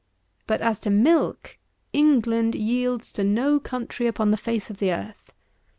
But as to milk, England yields to no country upon the face of the earth.